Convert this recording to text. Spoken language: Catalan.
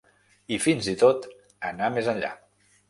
I fins i tot, anar més enllà.